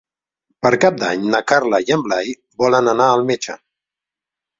Per Cap d'Any na Carla i en Blai volen anar al metge.